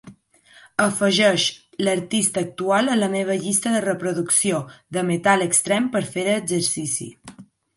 Afegeix l'artista actual a la meva llista de reproducció de metal extrem per fer exercici.